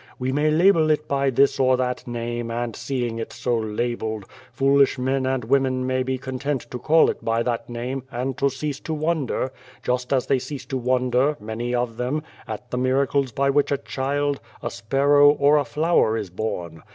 We may label it by this or that name, and, seeing it so labeled, foolish men and women may be content to call it by that name and to cease to wonder, just as they cease to wonder, many of them, at the miracles by which a child, a sparrow, or a flower is born.